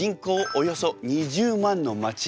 およそ２０万の街。